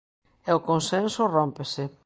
E o consenso rómpese.